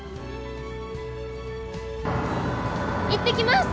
行ってきます。